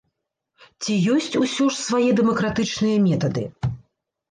Ці ёсць усё ж свае дэмакратычныя метады?